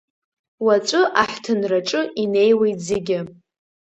Уаҵәы аҳҭынраҿы инеиуеит зегьы.